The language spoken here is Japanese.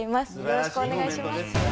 よろしくお願いします。